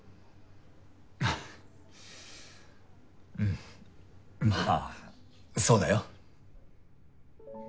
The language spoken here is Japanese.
あうんまぁそうだよ。